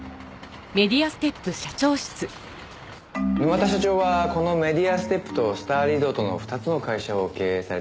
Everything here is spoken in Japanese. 沼田社長はこのメディアステップとスターリゾートの２つの会社を経営されてらっしゃるんですね。